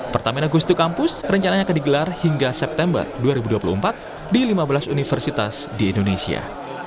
pertamina gus duka kampus rencananya akan digelar hingga september dua ribu dua puluh empat di lima belas universitas di indonesia